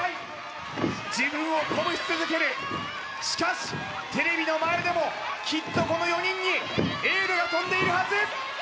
自分を鼓舞し続けるしかしテレビの前でもきっとこの４人にエールが飛んでいるはず